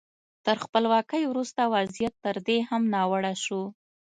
تر خپلواکۍ وروسته وضعیت تر دې هم ناوړه شو.